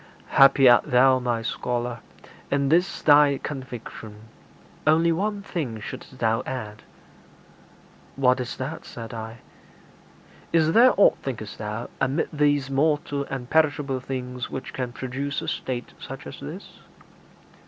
'Happy art thou, my scholar, in this thy conviction; only one thing shouldst thou add.' 'What is that?' said I. 'Is there aught, thinkest thou, amid these mortal and perishable things which can produce a state such as this?'